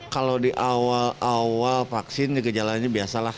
kalau di awal awal vaksin gejalanya biasalah